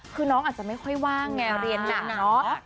คือน้องอาจจะไม่ค่อยว่างไงเรียนแล้วเนาะ